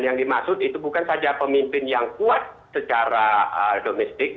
yang dimaksud itu bukan saja pemimpin yang kuat secara domestik